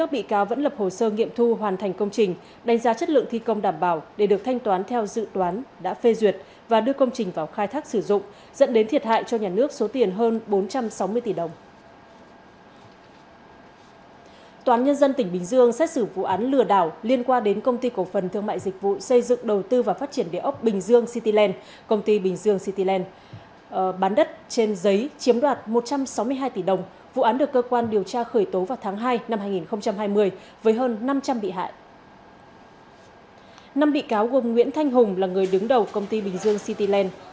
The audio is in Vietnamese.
năm bị cáo gồm nguyễn thanh hùng là người đứng đầu công ty bình dương cityland hoàng anh vui nguyễn thành hùng là người đứng đầu công ty bình dương cityland